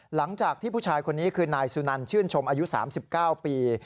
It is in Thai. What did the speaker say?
หลังจากที่ผู้ชายคนนี้คือนายสุนันชื่นชมอายุ๓๙ปี